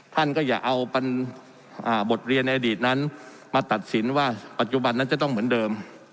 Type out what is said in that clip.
ท่านก็อย่าเอาบทเรียนในอดีตนั้นมาตัดสินว่าปัจจุบันนั้นจะต้องเหมือนเดิม